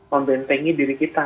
membentengi diri kita